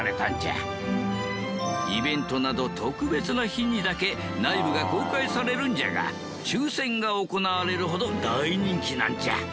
イベントなど特別な日にだけ内部が公開されるんじゃが抽選が行われるほど大人気なんじゃ。